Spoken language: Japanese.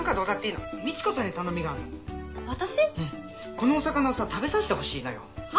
このお魚をさ食べさせてほしいのよ。は？